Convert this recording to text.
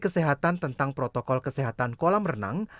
kesehatan tentang protokol kesehatan kolam renang